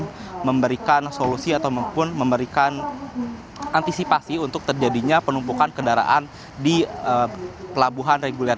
untuk memberikan solusi ataupun memberikan antisipasi untuk terjadinya penumpukan kendaraan di pelabuhan reguler